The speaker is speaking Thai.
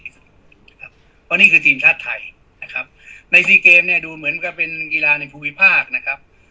เพราะนี่คือทีมชาติไทยนะครับในซีเกมเนี่ยดูเหมือนกับเป็นกีฬาในภูมิภาคนะครับ